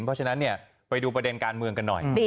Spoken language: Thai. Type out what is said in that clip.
เพราะฉะนั้นไปดูประเด็นการเมืองกันหน่อย